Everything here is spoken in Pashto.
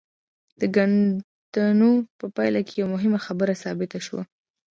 د کيندنو په پايله کې يوه مهمه خبره ثابته شوه.